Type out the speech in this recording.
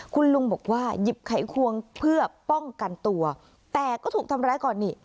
คุณลุงบอกว่าหยิบไขควงเพื่อป้องกันตัวแต่ก็ถูกทำร้ายก่อนนี่